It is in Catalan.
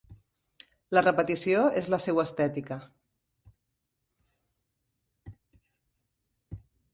La repetició és la seua estètica.